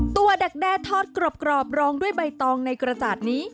ดักแด้ทอดกรอบรองด้วยใบตองในกระจาดนี้